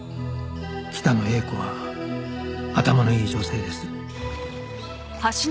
北野英子は頭のいい女性です